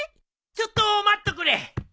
ちょっと待っとくれ。